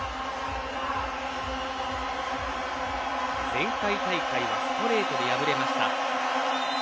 前回大会はストレートで敗れました。